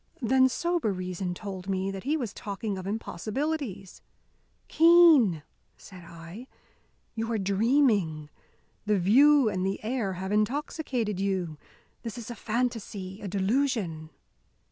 Then sober reason told me that he was talking of impossibilities. "Keene," said I, "you are dreaming. The view and the air have intoxicated you. This is a phantasy, a delusion!"